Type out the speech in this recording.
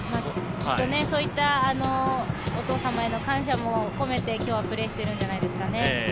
きっと、そういったお父様への感謝も込めて今日はプレーしてるんじゃないですかね。